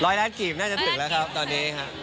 ร้อยล้านจีบน่าจะถึงแล้วครับตอนนี้ครับ